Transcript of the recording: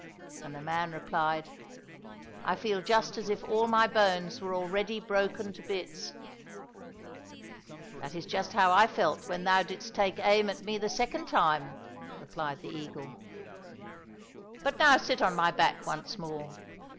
" And the man replied, " I feel just as if all my bones were already broken to bits !"—*' That is just how I felt when thou didst take aim at me the second time," replied the eagle. " But now sit on my back once more."